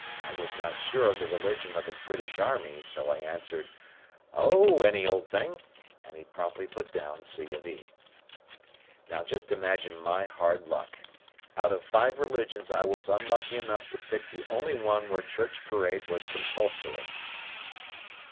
I was not sure of the religion of the British Army, so I answered, "Oh, any old thing," and he promptly put down C. of E. Now, just imagine my hard luck. Out of five religions I was unlucky enough to pick the only one where church parade was compulsory!